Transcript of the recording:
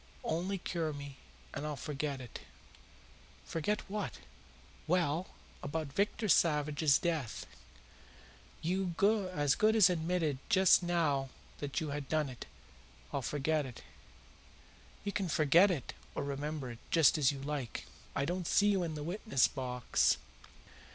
Only cure me, and I'll forget it." "Forget what?" "Well, about Victor Savage's death. You as good as admitted just now that you had done it. I'll forget it." "You can forget it or remember it, just as you like. I don't see you in the witnessbox.